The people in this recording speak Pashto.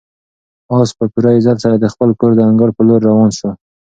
آس په پوره عزت سره د خپل کور د انګړ په لور روان شو.